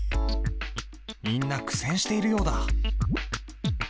みんな苦戦しているようだ。